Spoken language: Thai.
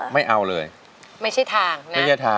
ไม่เอาเลยไม่ใช่ทางนะ